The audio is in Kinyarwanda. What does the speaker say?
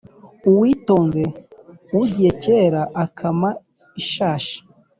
Uwitonze (ugiye kera) akama ishashi.